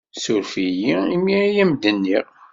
Ssuref-iyi imi ay am-d-nniɣ.